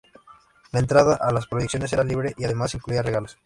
La entrada a las proyecciones era libre y además incluía regalos.